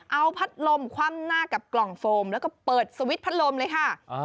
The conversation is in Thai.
เอาพัดลมคว่ำหน้ากับกล่องโฟมแล้วก็เปิดสวิตชพัดลมเลยค่ะ